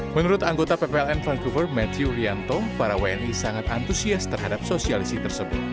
menurut anggota ppln vancouver matty urianto para wni sangat antusias terhadap sosialisi tersebut